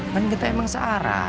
kan kita emang searah